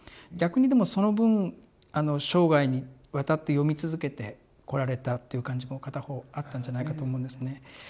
逆にでもその分生涯にわたって読み続けてこられたっていう感じも片方あったんじゃないかと思うんですね。